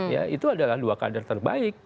ya itu adalah dua kader terbaik